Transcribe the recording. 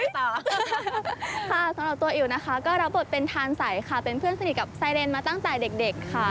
สำหรับตัวอิวรับบทเป็นทานใสเป็นเพื่อนสนิทกับไซค์เลนส์มาตั้งแต่เด็ก